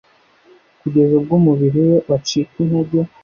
kugeza ubwo umubiri we wacika intege